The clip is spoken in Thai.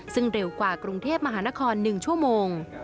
ซึ่งเร็วกว่ากรุงเทพมหานคร๑ชั่วโมง